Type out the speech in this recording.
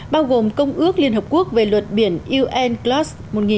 bao gồm công ước liên hợp quốc về luật biển unclos một nghìn chín trăm tám mươi hai